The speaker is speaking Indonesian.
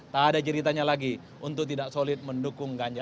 tak ada ceritanya lagi untuk tidak solid mendukung ganjar